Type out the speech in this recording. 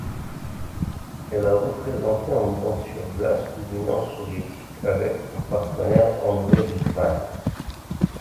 Elle a représenté, en danse sur glace, l'Union soviétique avec, pour partenaire, Andreï Vitman.